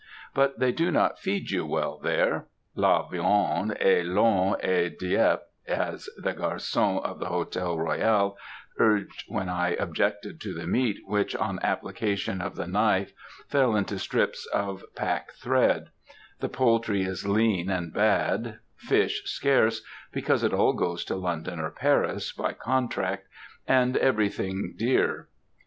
But they do not feed you well here; 'La Viande est longue à Dieppe' as the Garçon of the Hôtel Royal urged when I objected to the meat which, on application of the knife fell into strips of pack thread; the poultry is lean and bad; fish scarce, because it all goes to London or Paris, by contract, and everything dear.